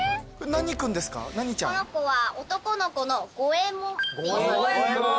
この子は男の子のゴエモンっていいます。